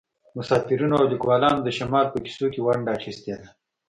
مسافرینو او لیکوالانو د شمال په کیسو کې ونډه اخیستې ده